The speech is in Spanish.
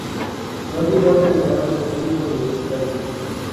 No llegó a terminar los estudios universitarios.